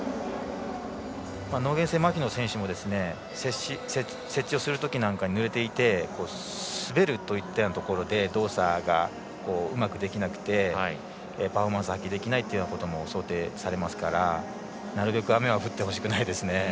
脳原性まひの選手も接地をするときなんかにぬれていて滑るといったようなところで動作がうまくできなくてパフォーマンスを発揮できないことも想定されますからなるべく雨は降ってほしくないですね。